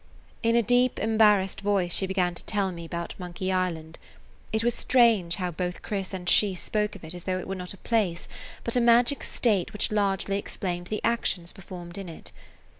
In a deep, embarrassed voice she began to tell me about Monkey Island. It was strange how both Chris and she spoke of it as though it were not a place, but a magic state which largely explained the actions performed in it.